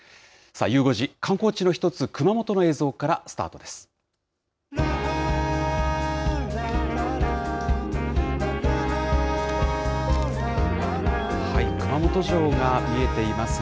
ゆう５時、観光地の一つ、熊本の映像からスタートです。